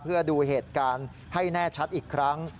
เพื่อดูเหตุการณ์ให้แน่ชัดอีกครั้ง